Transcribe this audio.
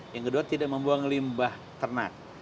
yang kedua tidak membuang limbah ternak